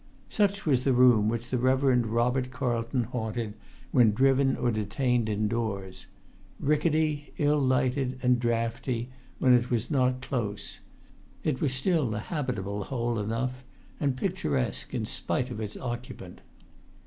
Such was the room which the Reverend Robert Carlton haunted when driven or detained indoors: rickety, ill lighted, and draughty when it was not close, it was still a habitable hole enough, and picturesque in spite of its occupant.